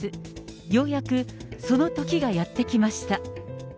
ようやくその時がやってきました。